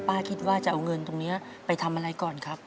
คิดว่าจะเอาเงินตรงนี้ไปทำอะไรก่อนครับ